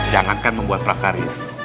jangan kan membuat prakarya